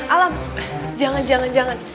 alam jangan jangan jangan